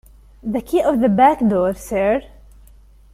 The key of the back door, sir?